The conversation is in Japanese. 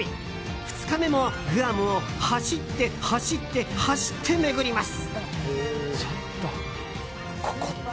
２日目もグアムを走って、走って、走って巡ります。